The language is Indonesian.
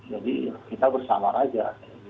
jadi kita bersawar aja